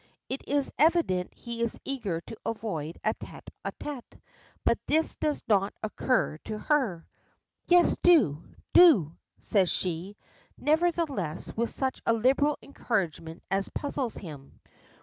It is evident he is eager to avoid a tête à tête, but this does not occur to her. "Yes do do," says she, nevertheless with such a liberal encouragement as puzzles him.